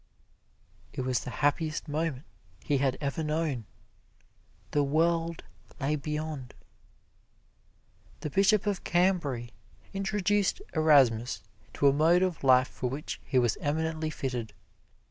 It was the happiest moment he had ever known. The world lay beyond. The Bishop of Cambray introduced Erasmus to a mode of life for which he was eminently fitted.